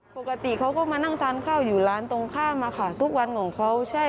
ปกติเขาก็มานั่งทานข้าวอยู่ร้านตรงข้ามอะค่ะทุกวันของเขาใช่